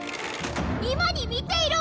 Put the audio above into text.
今に見ていろ